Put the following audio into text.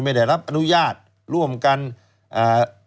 ไม่ใช่ปืนสั้นเออจะไปพกป้องกันตัว